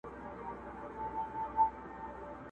نمک خور دي له عمرونو د دبار یم!!